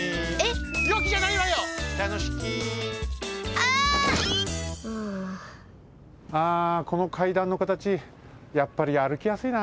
ああこの階段の形やっぱりあるきやすいな。